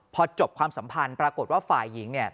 พอจบความสัมพันธ์ปรากฏว่าฝ่ายหญิงเนี่ย